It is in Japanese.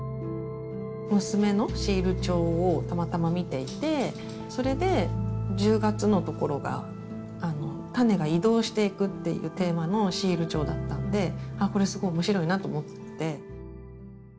娘のシール帳をたまたま見ていてそれで１０月のところが種が移動していくっていうテーマのシール帳だったんであっこれすごい面白いなと思って。